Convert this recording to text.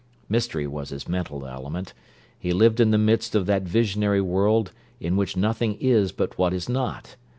Mystery was his mental element. He lived in the midst of that visionary world in which nothing is but what is not.